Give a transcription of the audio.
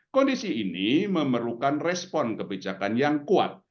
kondisi ini memerlukan respon kebijakan yang kuat